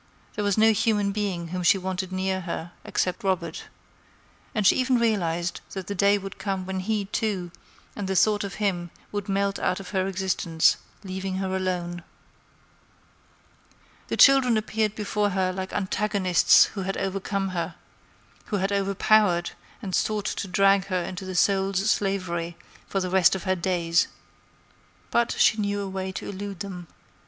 There was no human being whom she wanted near her except Robert; and she even realized that the day would come when he, too, and the thought of him would melt out of her existence, leaving her alone. The children appeared before her like antagonists who had overcome her; who had overpowered and sought to drag her into the soul's slavery for the rest of her days. But she knew a way to elude them.